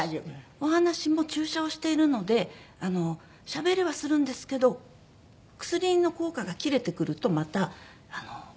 お話も注射をしているのでしゃべれはするんですけど薬の効果が切れてくるとまたこう出づらくなるんですね。